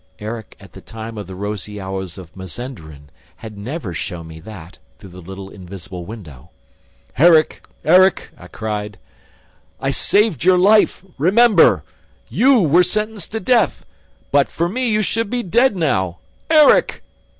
Erik, at the time of the rosy hours of Mazenderan, had never shown me that, through the little invisible window. "Erik! Erik!" I cried. "I saved your life! Remember! ... You were sentenced to death! But for me, you would be dead now! ... Erik!"